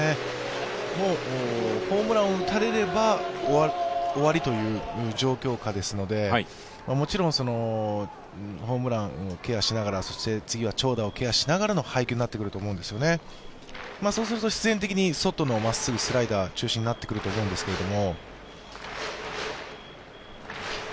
ホームランを打たれれば終わりという状況下ですのでもちろんホームランをケアしながら、長打をケアしながらの配球になってくると思うんですよね、そうすると必然的に外のまっすぐスライダー、中心になってくると思うんですけれども。